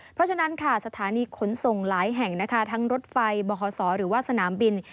เพราะฉะนั้นค่ะสถานีขนส่งหลายแห่งนะคะทั้งรถไฟบขศหรือว่าสนามบิน